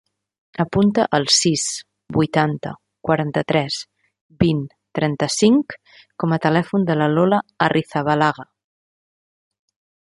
Apunta el sis, vuitanta, quaranta-tres, vint, trenta-cinc com a telèfon de la Lola Arrizabalaga.